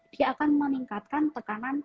dia akan meningkatkan tekanan